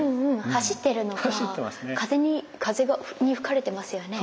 走ってるのか風に吹かれてますよね。